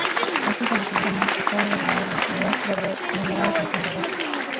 Ha sido la figura más destacada de la Orden y es venerado como fundador.